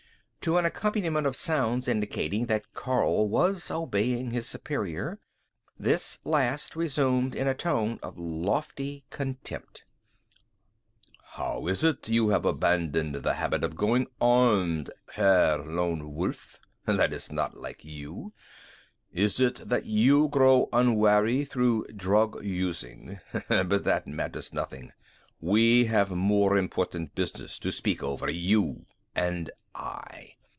To an accompaniment of sounds indicating that Karl was obeying his superior, this last resumed in a tone of lofty contempt: "How is it you have abandoned the habit of going armed, Herr Lone Wolf? That is not like you. Is it that you grow unwary through drug using? But that matters nothing. We have more important business to speak over, you and I.